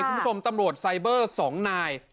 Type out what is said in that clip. คุณผู้ชมตำรวจไซเบอร์๒นาย